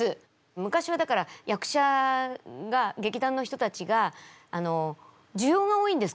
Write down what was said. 昔はだから役者が劇団の人たちが需要が多いんです